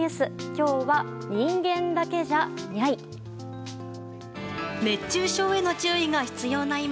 今日は、人間だけじゃニャい。